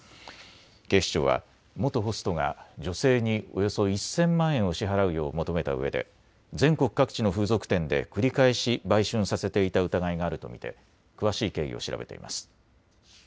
警視庁は元ホストが女性におよそ１０００万円を支払うよう求めたうえで全国各地の風俗店で繰り返し売春させていた疑いがあると見て詳しい経緯を調べています。